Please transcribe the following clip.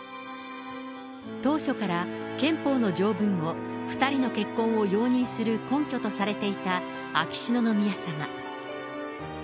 当初から憲法の条文を２人の結婚を容認する根拠とされていた秋篠宮さま。